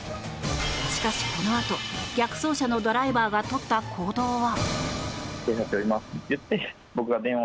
しかし、このあと逆走車のドライバーがとった行動は。